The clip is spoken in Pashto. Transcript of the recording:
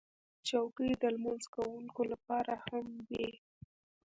چوکۍ د لمونځ کوونکو لپاره هم وي.